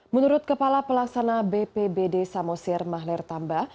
menurut kepala pelaksana bpbd samosir mahler tamba